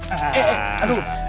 eh eh aduh